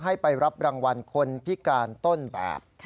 ให้ไปรับรางวัลคนพิการต้นแบบ